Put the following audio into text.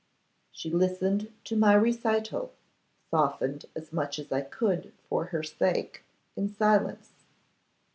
She listened to my recital, softened as much as I could for her sake, in silence.